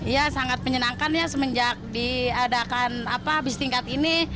ya sangat menyenangkan ya semenjak diadakan bis tingkat ini